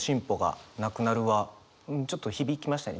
ちょっと響きましたね